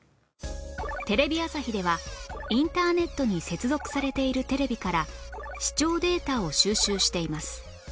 テレビ朝日ではインターネットに接続されているテレビから視聴データを収集しています